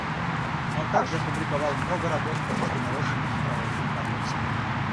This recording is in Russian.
Он также опубликовал много работ по международным и правовым вопросам.